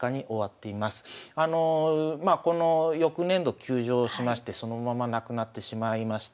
まあこの翌年度休場しましてそのまま亡くなってしまいました。